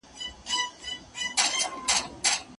ملنګه ! يو تسنيم په سخن فهمو پسې مړ شو